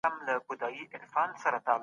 پر مځکي باندي د کار کولو وخت رارسېدلی دی.